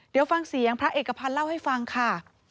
เดี๋ยวฟังเสียงพระเอกพันธ์เล่าให้ฟังค่ะ